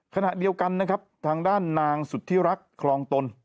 ขณะเดียวกันทางด้านนางสุธิรักคลองตน